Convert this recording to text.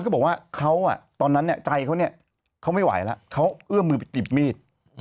เขาบอกว่าตอนนั้นใจเขาไม่ไหวแล้วเขาเอื้อมมือไปจีบมีด